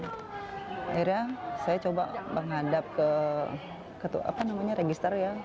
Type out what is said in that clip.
akhirnya saya coba menghadap ke apa namanya register ya